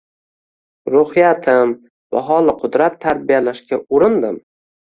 Ruhiyatim baholi qudrat tarbiyalashga urindim.